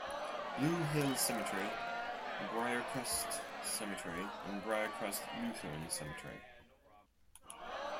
Blue Hill Cemetery, Briercrest Cemetery and Briercrest Lutheran Cemetery.